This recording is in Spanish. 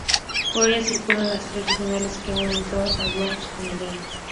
Por ella circulan los trenes regionales que unen Tours o Blois con Orleans.